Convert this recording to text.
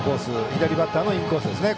左バッターのインコースですね。